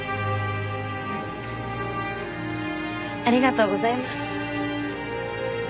ありがとうございます。